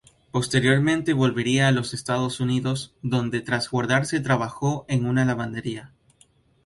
Posteriormente volvería a los Estados Unidos, donde tras graduarse trabajó en una lavandería.